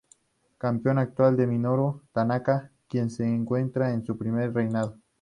El campeón actual es Minoru Tanaka, quien se encuentra en su primer reinado.